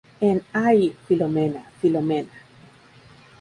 En "¡Ay, Filomena, Filomena!